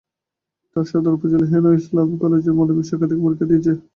তাঁরা সদর উপজেলার হেনা ইসলাম কলেজের মানবিক শাখা থেকে পরীক্ষা দিচ্ছে।